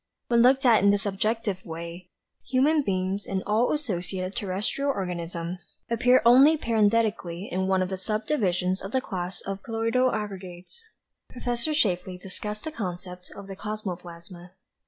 When looked at in this objective way, human beings, and all associated terrestrial organisms, appear only parenthetically in one of the subdivisions of the class of colloidal aggregates." Prof. Shapley discussed the concept of the cosmoplasma.